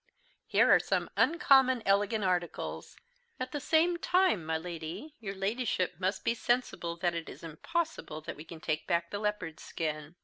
Here are some uncommon elegant articles. At the same time, my Lady, your Ladyship must be sensible that it is impossible that we can take back the leopard's skin.